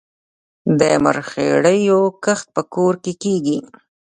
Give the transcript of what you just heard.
د مرخیړیو کښت په کور کې کیږي؟